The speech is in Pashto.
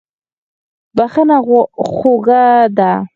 بښنه خوږه ده.